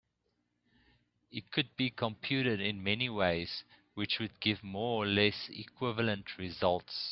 It could be computed in many ways which would give more or less equivalent results.